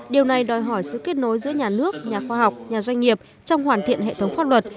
điều này đòi hỏi sự kết nối giữa nhà nước nhà khoa học nhà doanh nghiệp trong hoàn thiện hệ thống pháp luật